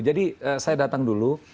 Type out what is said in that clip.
jadi saya datang dulu